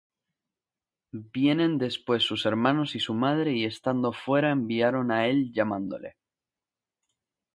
Vienen después sus hermanos y su madre, y estando fuera, enviaron á él llamándole.